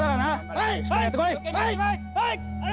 はい！